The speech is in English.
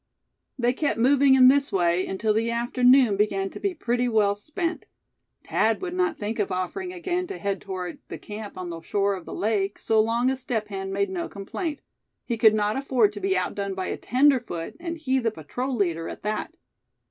They kept moving in this way until the afternoon began to be pretty well spent. Thad would not think of offering again to head toward the camp on the shore of the lake, so long as Step Hen made no complaint. He could not afford to be outdone by a tenderfoot, and he the patrol leader at that.